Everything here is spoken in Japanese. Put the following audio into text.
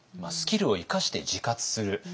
スキルを生かして自活する。